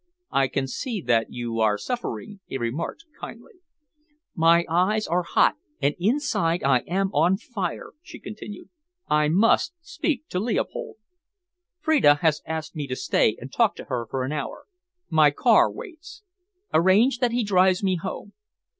"I can see that you are suffering," he remarked kindly. "My eyes are hot, and inside I am on fire," she continued. "I must speak to Leopold. Freda has asked me to stay and talk to her for an hour. My car waits. Arrange that he drives me home.